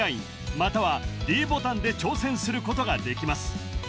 ＬＩＮＥまたはｄボタンで挑戦することができます